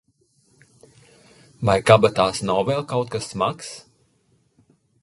Vai kabatās nav vēl kaut kas smags?